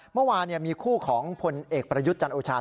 เมื่อวานมีคู่ของพลเอกประยุทธ์จันโอชา